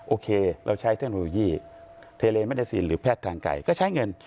โอเคเราใช้เทคโนโลยีเทเลเมดซีนหรือแพทย์ทางไก่ก็ใช้เงิน